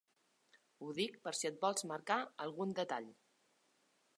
Ho dic per si et vols marcar algun detall.